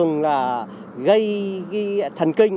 gây thần kinh